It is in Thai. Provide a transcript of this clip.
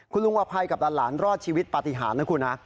คุณลุงอภัยกับหลานรอดชีวิตปฏิหารนะคุณฮะ